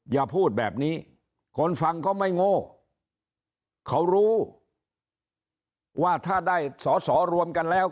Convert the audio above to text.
อย่าพูดแบบนี้คนฟังเขาไม่โง่เขารู้ว่าถ้าได้สอสอรวมกันแล้ว